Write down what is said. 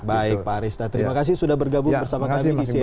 baik pak arista terima kasih sudah bergabung bersama kami